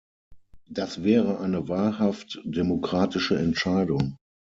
Das wäre eine wahrhaft demokratische Entscheidung.